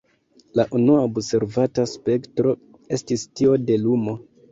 La unua observata spektro estis tio de lumo.